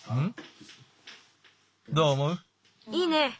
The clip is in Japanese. いいね！